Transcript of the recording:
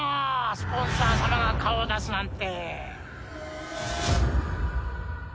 スポンサー様が顔を出すなんて。